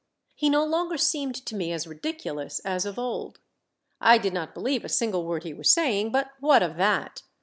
He no longer seemed to me as ridiculous as of old. I did not believe a single word he was saying, but what of that?